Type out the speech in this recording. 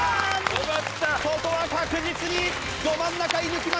ここは確実にど真ん中射抜きました。